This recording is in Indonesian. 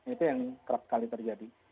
itu yang kerap kali terjadi